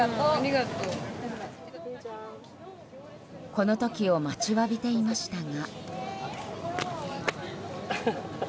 この時を待ちわびていましたが。